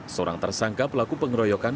seorang tersangka pelaku pengeroyokan